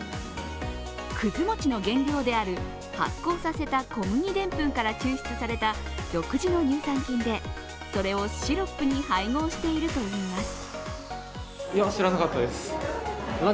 くず餅の原料である発酵させた小麦でんぷんから抽出された独自の乳酸菌でそれをシロップに配合しているといいます。